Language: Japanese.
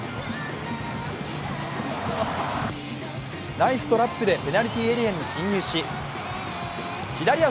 ナイストラップでペナルティーエリアに進入し左足！